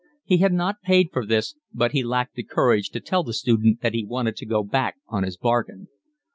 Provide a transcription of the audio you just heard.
He had not paid for this, but he lacked the courage to tell the student that he wanted to go back on his bargain.